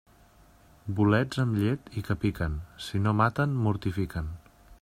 Bolets amb llet i que piquen, si no maten, mortifiquen.